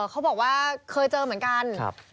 เขาบอกว่าเคยเจอเหมือนกัน